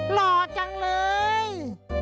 หล่อจังเลย